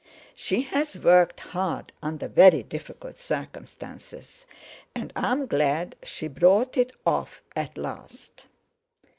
She's worked hard under very difficult circumstances, and I'm glad she's brought it off at last."